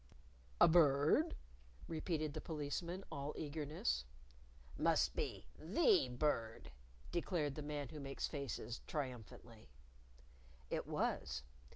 "A bird?" repeated the Policeman, all eagerness. "Must be the Bird!" declared the Man Who Makes Faces, triumphantly. It was.